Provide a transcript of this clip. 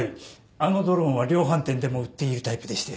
あのドローンは量販店でも売っているタイプでして。